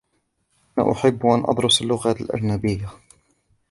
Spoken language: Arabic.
أنا أحبُّ أنْ أدرسَ اللغاتَ الأجنبيةَ.